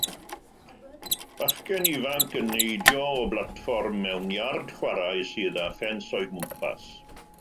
bachgen ifanc yn neidio o blatfform mewn iard chwarae sydd â ffens o'i gwmpas